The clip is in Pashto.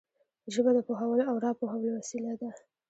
ژبه د پوهولو او را پوهولو وسیله ده